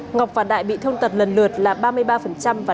ngọc và đại bị thông tật lần lượt là ba mươi ba và năm mươi